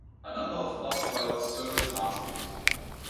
A number of bus routes service Marsfield.